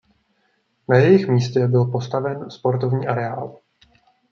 Na jejich místě byl postaven sportovní areál.